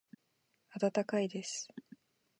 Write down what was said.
温かいです。